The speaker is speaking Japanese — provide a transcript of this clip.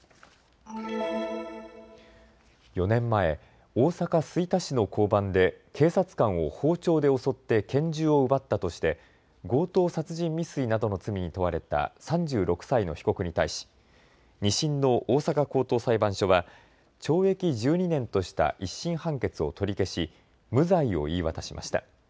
４年前、大阪吹田市の交番で警察官を包丁で襲って拳銃を奪ったとして強盗殺人未遂などの罪に問われた３６歳の被告に対し２審の大阪高等裁判所は懲役１２年とした１審判決を取り消し無罪を言い渡しました。